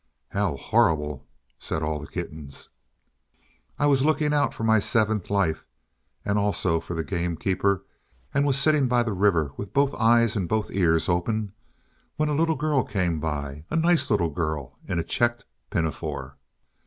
"How horrible!" said all the kittens. "I was looking out for my seventh life, and also for the gamekeeper, and was sitting by the river with both eyes and both ears open, when a little girl came by a nice little girl in a checked pinafore.